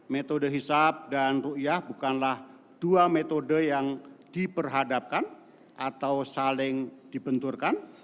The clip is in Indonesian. metode hisap dan ⁇ ruyah bukanlah dua metode yang diperhadapkan atau saling dibenturkan